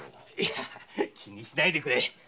気にしないでくれ。